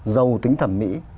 giàu tính thẩm mỹ